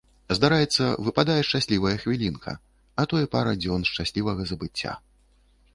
Здараецца, выпадае шчаслівая хвілінка, а то і пара дзён шчаслівага забыцця.